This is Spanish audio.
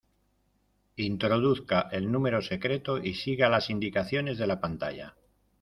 Introduzca el número secreto y siga las indicaciones de la pantalla.